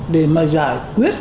để mà giải quyết